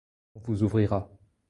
On vous ouvrira.